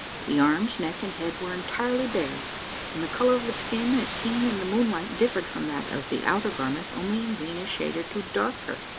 The arms, neck, and head were entirely bare; and the colour of the skin, as seen in the moonlight, differed from that of the outer garments only in being a shade or two darker!